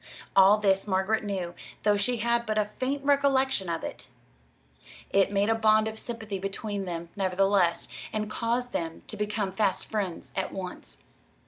All this Margaret knew, though she had but a faint recollection of it. It made a bond of sympathy between them, nevertheless, and caused them to become fast friends at once.